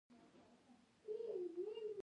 دوى هم د خداى مخلوق دي.